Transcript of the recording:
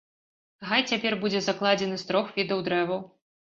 Гай цяпер будзе закладзены з трох відаў дрэваў.